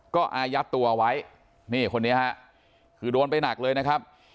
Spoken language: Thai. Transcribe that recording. ก็อายัดตัวไว้นี่คนนี้ฮะคือโดนไปหนักเลยนะครับ